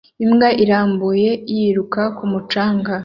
Imbwa irambuye yiruka ku mucanga